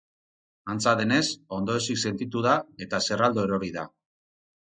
Antza denez, ondoezik sentitu da, eta zerraldo erori da.